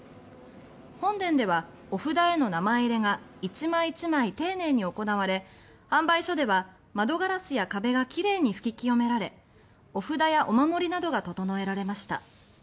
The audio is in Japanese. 本殿ではお札への名前入れが１枚１枚丁寧に行われ販売所では、窓ガラスや壁が奇麗に拭き清められお札やお守りなどが整えられました。